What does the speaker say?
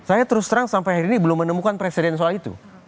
saya terus terang sampai hari ini belum menemukan presiden soal itu